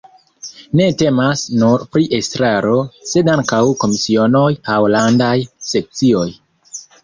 Ne temas nur pri estraro, sed ankaŭ komisionoj aŭ landaj sekcioj.